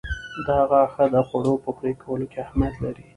دا غاښه د خوړو په پرې کولو کې اهمیت لري.